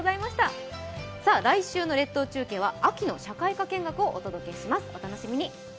来週の列島中継は秋の社会科見学をお届けします。